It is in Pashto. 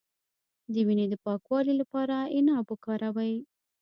د وینې د پاکوالي لپاره عناب وکاروئ